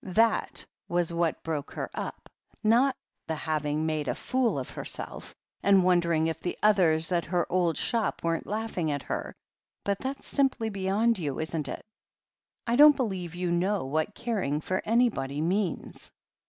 That was what broke her up — ^not the having made a fool of herself, and wondering if the others at her old shop weren't laughing at her. But that's simply beyond you, isn't it ? I don't believe you know what caring for anybody means."